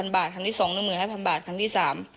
๕๐๐๐บาทครั้งที่๒๑๐๐๐๐ครั้งที่๓๑๐๐๐๐